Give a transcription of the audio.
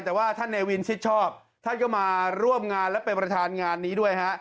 แต่ว่าท่านเนวินชิดชอบท่านก็มาร่วมงานและเป็นประธานงานนี้ด้วยฮะ